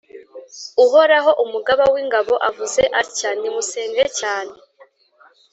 Uhoraho, Umugaba w’ingabo, avuze atya: nimusenge cyane